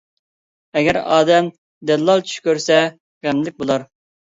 ئەگەر ئادەم دەللال چۈش كۆرسە، غەملىك بولار.